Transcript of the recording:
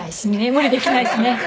無理できないしね。